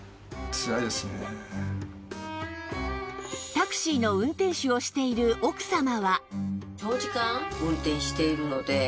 タクシーの運転手をしている奥様は